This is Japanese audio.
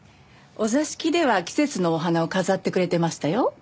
お座敷では季節のお花を飾ってくれてましたよ。